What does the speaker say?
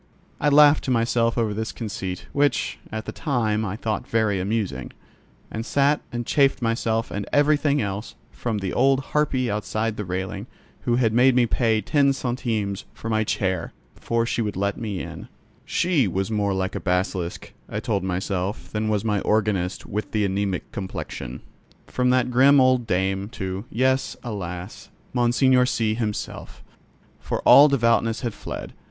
I laughed to myself over this conceit, which, at the time, I thought very amusing, and sat and chaffed myself and everything else, from the old harpy outside the railing, who had made me pay ten centimes for my chair, before she would let me in (she was more like a basilisk, I told myself, than was my organist with the anaemic complexion): from that grim old dame, to, yes, alas! Monseigneur C—— himself. For all devoutness had fled.